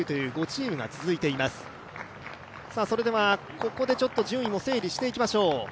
ここで順位を整理していきましょう。